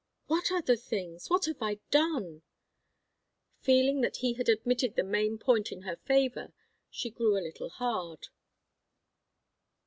"What other things? What have I done?" Feeling that he had admitted the main point in her favour, she grew a little hard.